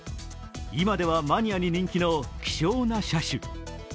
今ではマニアに人気の希少な車種。